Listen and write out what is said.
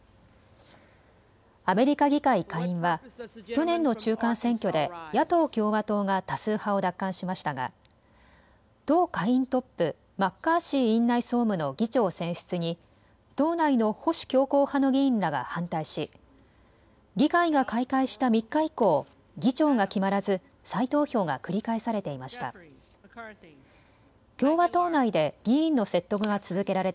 アメリカ議会下院は去年の中間選挙で野党・共和党が多数派を奪還しましたが党下院トップ、マッカーシー院内総務の議長選出に党内の保守強硬派の議員らが反対し議会が開会した３日以降、議長が決まらず再投票が繰り返されていました。